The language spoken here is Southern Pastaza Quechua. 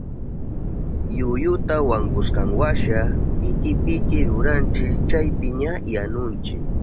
Yuyuta wankushkanwasha piti piti ruranchi chaypiña yanunchi.